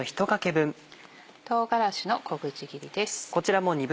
唐辛子の小口切りです。